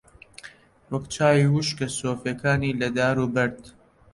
وەک چاوی وشکە سۆفییەکانی لە دار و بەرد